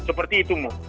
seperti itu mo